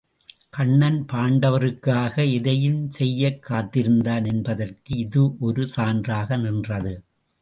கண்ணன் பாண்டவர்க்காக எதையும் செய்யக் காத்திருந்தான் என்பதற்கு இது ஒரு சான்றாக நின்றது.